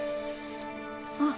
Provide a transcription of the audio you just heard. あっ。